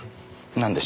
なんでしょう？